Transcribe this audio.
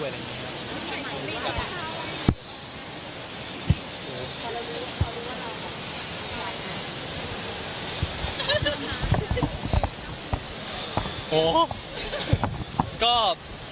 โอ้ก็ต้องถามเขาเลยครับลองถามเขาดูนะครับ